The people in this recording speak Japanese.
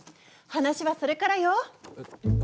話はそれからよ！